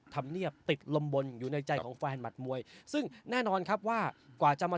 ธรรมเนียบติดลมบนอยู่ในใจของแฟนหมัดมวยซึ่งแน่นอนครับว่ากว่าจะมา